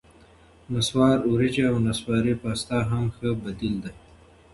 نسواري ورېجې او نسواري پاستا هم ښه بدیل دي.